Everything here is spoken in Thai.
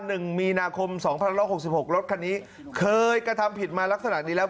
หนึ่งมีนาคม๒๑๖๖รถคันนี้เคยกระทำผิดมาลักษณะนี้แล้ว